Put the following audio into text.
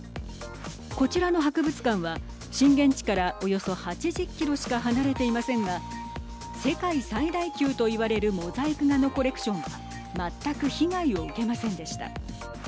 こちらの博物館は震源地からおよそ８０キロしか離れていませんが世界最大級と言われるモザイク画のコレクションは全く被害を受けませんでした。